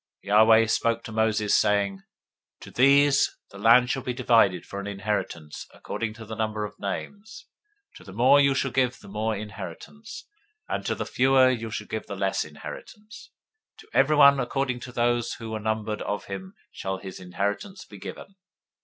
026:052 Yahweh spoke to Moses, saying, 026:053 To these the land shall be divided for an inheritance according to the number of names. 026:054 To the more you shall give the more inheritance, and to the fewer you shall give the less inheritance: to everyone according to those who were numbered of him shall his inheritance be given.